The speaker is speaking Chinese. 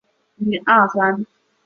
叶基渐狭。